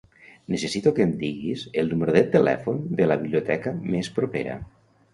Necessito que em diguis el número de telèfon de la biblioteca més propera.